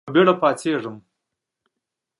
په بېړه پاڅېږم .